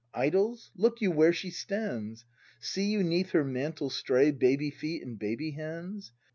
Idols! Look you where she stands! See you 'neath her mantle stray Baby feet and baby hands?